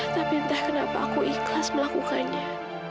tapi entah kenapa aku ikhlas melakukannya